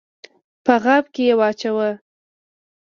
په غاب کي یې واچوه !